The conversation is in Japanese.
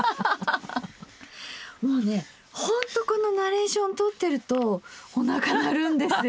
もうねほんっとこのナレーションとってるとおなか鳴るんですよ！